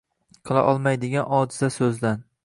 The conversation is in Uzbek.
Qila olmaydigan ojiza soʻzdan.